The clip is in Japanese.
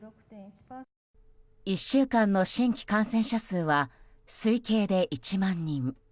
１週間の新規感染者数は推計で１万人。